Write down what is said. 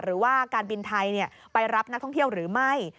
หรือว่าการบินไทยไปรับนักท่องเที่ยวหรือไม่